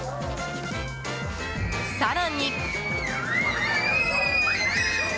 更に。